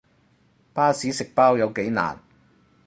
巴士食包有幾難